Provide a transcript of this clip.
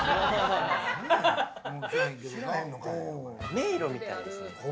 迷路みたいですね。